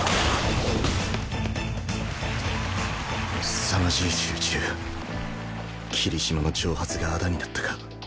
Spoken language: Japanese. すさまじい集中霧島の挑発があだになったか